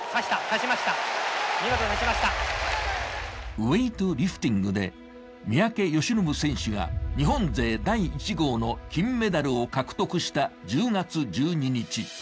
ウエイトリフティングで三宅義信選手が日本勢第１号の金メダルを獲得した１０月１２日。